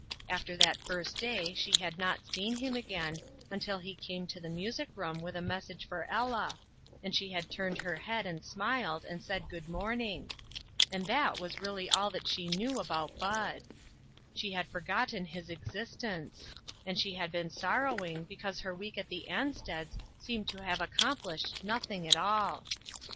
After that first day she had not seen him again, until he came to the music room with a message for Ella, and she had turned her head and smiled, and said "Good morning!" and that 1 98 INTERRUPTED. was really all that she knew about Bud. She 'had forgotten his existence ; arid she had been sorrowing because her week at the Ansteds seemed to have accomplished nothing at all.